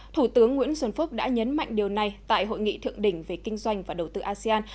thủ tướng nguyễn xuân phúc đã nhấn mạnh điều này tại hội nghị thượng đỉnh về kinh doanh và đầu tư asean